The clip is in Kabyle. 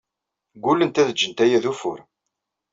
Ggullent ad ǧǧent aya d ufur.